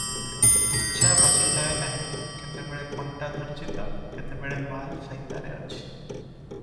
ତୁଛା ବସି ଥାଏ ନାହିଁ, କେତେବେଳେ କଣ୍ଟା ଧରିଛି ତ, କେତେବେଳେ ମାଲ ସାଇତାରେ ଅଛି ।